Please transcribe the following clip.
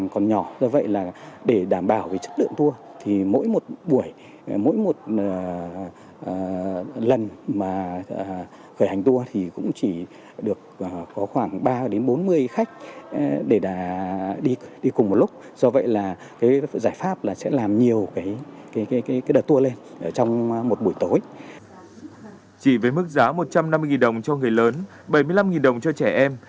chỉ với mức giá một trăm năm mươi đồng cho người lớn bảy mươi năm đồng cho trẻ em